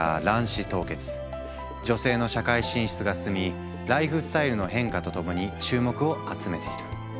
女性の社会進出が進みライフスタイルの変化とともに注目を集めている。